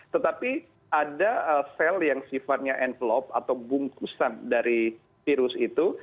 tetapi ada sel yang sifatnya envelop atau bungkusan dari virus itu